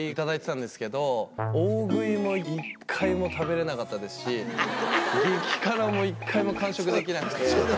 大食いも１回も食べれなかったですし激辛も１回も完食できなくて。